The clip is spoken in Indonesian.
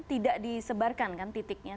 tidak disebarkan kan titiknya